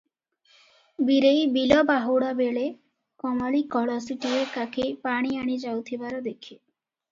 ବୀରେଇ ବିଲ ବାହୁଡ଼ା ବେଳେ କମଳୀ କଳସୀଟିଏ କାଖେଇ ପାଣି ଆଣି ଯାଉଥିବାର ଦେଖେ ।